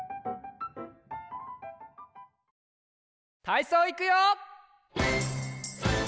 たいそういくよ！